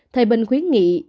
thầy bình khuyến nghị